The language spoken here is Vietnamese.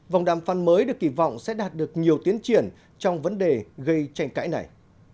vòng đàm phán mới được kỳ vọng sẽ đạt được nhiều tiến triển trong vấn đề gây tranh cãi này